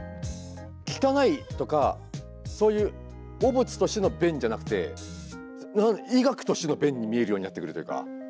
汚いとかそういう汚物としての便じゃなくて医学としての便に見えるようになってくるというか。